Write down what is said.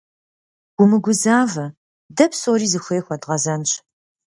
Умыгузавэ, дэ псори зыхуей хуэдгъэзэнщ.